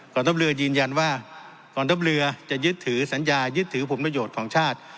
ทัพเรือยืนยันว่ากองทัพเรือจะยึดถือสัญญายึดถือผลประโยชน์ของชาติ